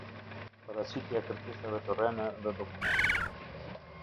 Paraqitja e kërkesave të rreme dhe dokumenteve.